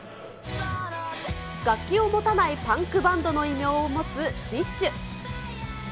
楽器を持たないパンクバンドの異名を持つビッシュ。